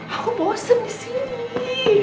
aku bosen di sini